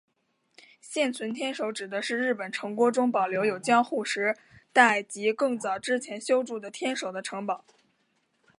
现存天守指的是日本城郭中保留有江户时代及更早之前修筑的天守的城堡。